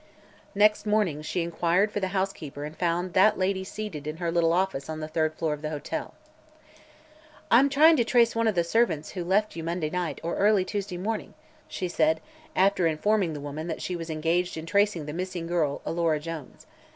Next morning she inquired for the housekeeper and found that lady seated in her little office on the third floor of the hotel. "I'm trying to trace one of the servants who left you Monday night, or early Tuesday morning," she said, after informing the woman that she was engaged in tracing the missing girl, Alora Jones.